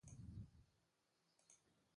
Berry is married to his wife Samantha (Sammi) Berry.